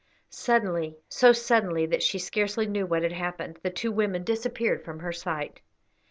Suddenly, so suddenly that she scarcely knew what had happened, the two women disappeared from her sight.